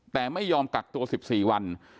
แต่ไม่ยอมกักตัว๑๔วัน